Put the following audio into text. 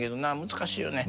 難しいよね。